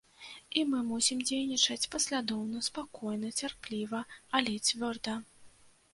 І мы мусім дзейнічаць паслядоўна, спакойна, цярпліва, але цвёрда.